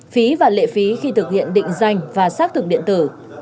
phí và lệ phí khi thực hiện định danh và xác thực điện tử